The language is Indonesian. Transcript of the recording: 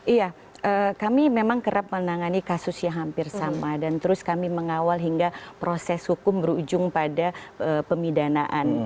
iya kami memang kerap menangani kasus yang hampir sama dan terus kami mengawal hingga proses hukum berujung pada pemidanaan